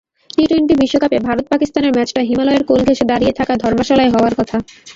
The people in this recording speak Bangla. টি-টোয়েন্টি বিশ্বকাপে ভারত-পাকিস্তানের ম্যাচটা হিমালয়ের কোল ঘেঁষে দাঁড়িয়ে থাকা ধর্মশালায় হওয়ার কথা।